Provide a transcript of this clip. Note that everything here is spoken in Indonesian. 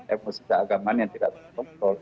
emosisi agama yang tidak terkontrol